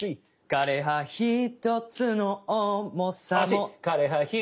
かれはひとつのおもさも惜しい。